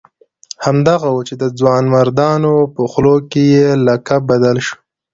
همدغه وو چې د ځوانمردانو په خولو کې یې لقب بدل شو.